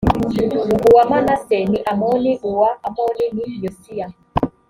uwa manase ni amoni uwa amoni ni yosiya